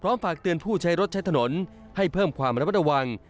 พร้อมฝากเตือนผู้ใช้รถใช้ถนนให้เพิ่มความรับประตววัง